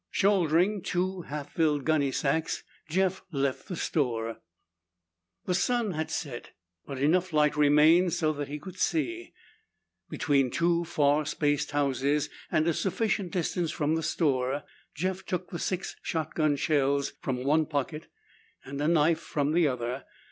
Shouldering two half filled gunny sacks, Jeff left the store. The sun had set, but enough light remained so that he could see. Between two far spaced houses, and a sufficient distance from the store, Jeff took the six shotgun shells from one pocket and a knife from another.